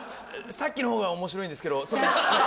さっきの方が面白いんですけど。